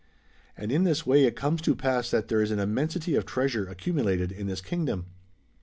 And in this way it comes to pass that there is an immensity of treasure accumulated in this kingdom.